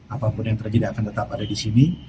apapun yang terjadi akan tetap ada di sini